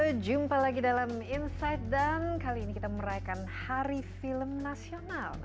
halo jumpa lagi dalam insight dan kali ini kita merayakan hari film nasional